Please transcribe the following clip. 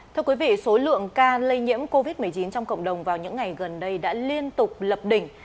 thưa quý vị số lượng ca lây nhiễm covid một mươi chín trong cộng đồng vào những ngày gần đây đã liên tục lập đỉnh